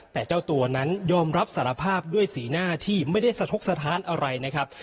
แต่เจ้าตัวนั้นยอมรับสารภาพด้วยสีหน้าที่ไม่ได้สะทกสถานอะไรนะครับ